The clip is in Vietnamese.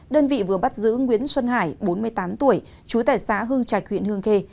đơn vị vừa bắt giữ nguyễn xuân hải bốn mươi tám tuổi chú tại xã hương trạch huyện hương khê